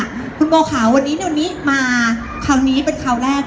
อ่ะคุณโมค่าวันนี้ดีดนนิมาคุณเนี่ยเป็นคราวแรก